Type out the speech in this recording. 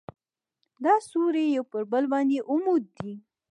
دا سوري یو پر بل باندې عمود دي.